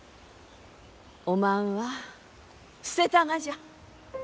おまんは捨てたがじゃ。